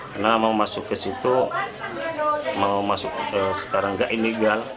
karena mau masuk ke situ mau masuk sekarang tidak illegal